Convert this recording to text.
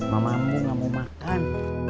mamamu gak mau makan